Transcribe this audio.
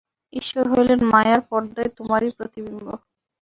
ঈশ্বর হইলেন মায়ার পর্দায় তোমারই প্রতিবিম্ব।